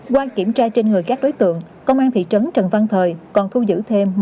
qua kiểm tra trên người các đối tượng công an thị trấn trần văn thời còn thu giữ thêm